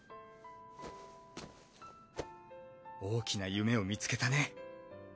大きな夢を見つけたね。